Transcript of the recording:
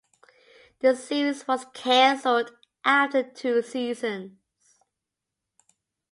The series was canceled after two seasons.